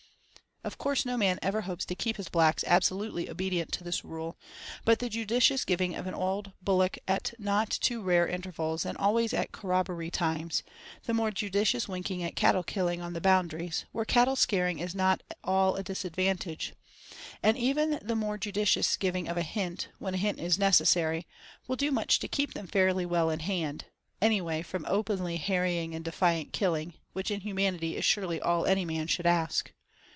Of course no man ever hopes to keep his blacks absolutely obedient to this rule; but the judicious giving of an odd bullock at not too rare intervals, and always at corroborree times, the more judicious winking at cattle killing on the boundaries, where cattle scaring is not all disadvantage, and the even more judicious giving of a hint, when a hint is necessary, will do much to keep them fairly well in hand, anyway from openly harrying and defiant killing, which in humanity is surely all any man should ask.